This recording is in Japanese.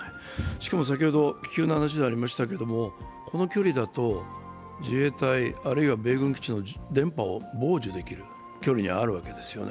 しかも先ほど、気球の話でありましたけど、この距離だと自衛隊、あるいは米軍基地の電波を傍受できる距離にあるわけですよね。